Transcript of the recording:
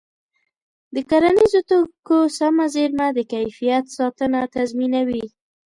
د کرنیزو توکو سمه زېرمه د کیفیت ساتنه تضمینوي.